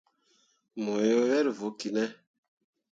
Mo ye wel vokki ne.